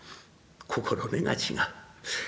心根が違う。